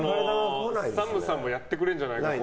ＳＡＭさんもやってくれるんじゃないかって。